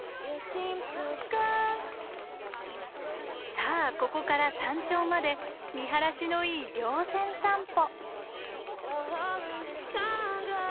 さあここから山頂まで見晴らしのいい稜線散歩！